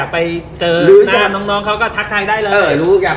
พูดอย่างงั้นได้เลยอะ